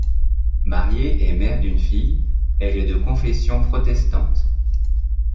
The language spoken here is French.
Mariée et mère d'une fille, elle est de confession protestante.